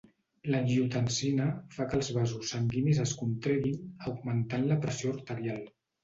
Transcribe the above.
L'angiotensina fa que els vasos sanguinis es contreguin augmentant la pressió arterial.